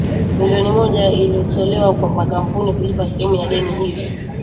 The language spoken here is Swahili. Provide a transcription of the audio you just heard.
Milioni moja ilitolewa kwa makampuni kulipa sehemu ya deni hilo